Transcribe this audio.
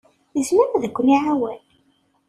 Yezmer ad ken-iɛawen.